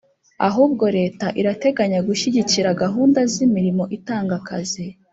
ahubwo leta irateganya gushyigikira gahunda z'imirimo itanga akazi